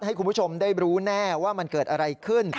ให้คุณผู้ชมได้รู้แน่ว่ามันเกิดอะไรขึ้น